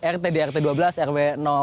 rt di rt dua belas rw